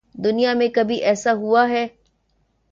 دنیا میں کبھی ایسا ہو اہے؟